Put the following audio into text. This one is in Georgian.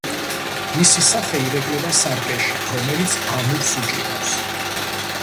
მისი სახე ირეკლება სარკეში, რომელიც ამურს უჭირავს.